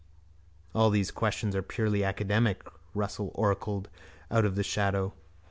—All these questions are purely academic, Russell oracled out of his shadow.